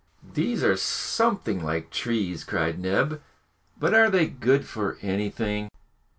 "These are something like trees!" cried Neb; "but are they good for anything?"